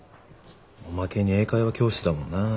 おまけに英会話教室だもんな。